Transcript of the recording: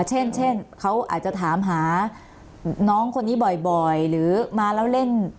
เช่นเขาอาจจะถามหาน้องคนนี้บ่อยหรือมาแล้วเล่น